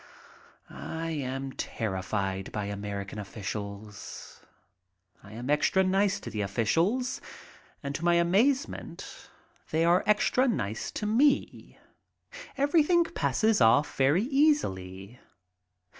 I am terrified by American officials. I am extra nice to the officials, and to my amazement they are extra nice to me. Everything passes off very easily.